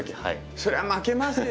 それは負けますよ